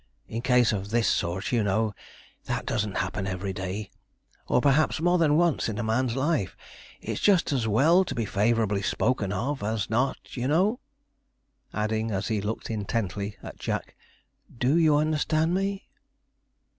In a case of this sort, you know, that doesn't happen every day, or, perhaps, more than once in a man's life, it's just as well to be favourably spoken of as not, you know'; adding, as he looked intently at Jack 'Do you understand me?'